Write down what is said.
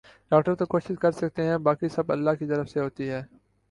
doctor تو کوشش کر سکتے ہیں باقی سب اللہ کی طرف سے ھوتی ہے